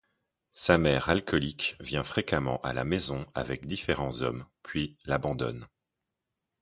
Sa mère alcoolique vient fréquemment à la maison avec différents hommes puis l'abandonne.